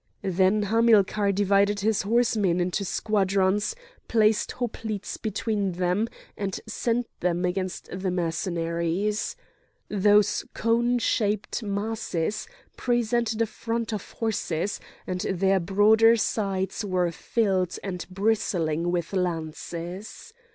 Then Hamilcar divided his horsemen into squadrons, placed hoplites between them, and sent them against the Mercenaries. Those cone shaped masses presented a front of horses, and their broader sides were filled and bristling with lances.